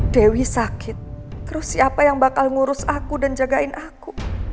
dewi sakit terus siapa yang bakal ngurus aku dan jagain aku